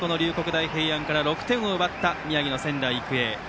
大平安から６点を奪った宮城の仙台育英。